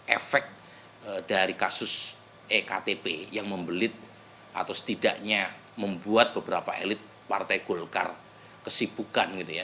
efek dari kasus ektp yang membelit atau setidaknya membuat beberapa elit partai golkar kesibukan gitu ya